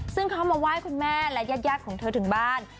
ซึ่งเขามาไหว้คุณแม่และญาติของเธอถึงบ้าน